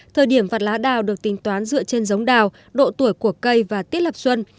thời điểm vặt lá đào được tính toán dựa trên giống đào độ tuổi của cây và tiết lập xuân